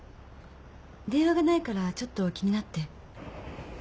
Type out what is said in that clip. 電話がないからちょっと気になって。